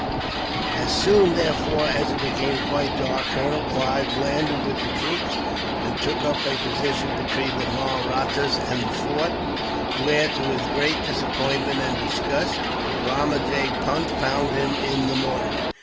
As soon, therefore, as it became quite dark, Colonel Clive landed with the troops, and took up a position between the Mahrattas and the fort; where, to his great disappointment and disgust, Ramajee Punt found him in the morning.